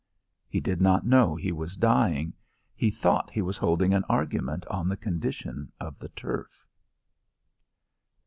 He did not know he was dying. He thought he was holding an argument on the condition of the turf.